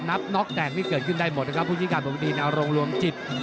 นับน็อคแตกที่เกิดขึ้นได้หมดนะครับผู้ชิงการประวัติธิในอารมณ์รวมจิต